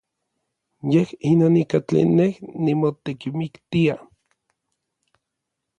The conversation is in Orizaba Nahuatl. Yej inon ika tlen nej nimotekimiktia.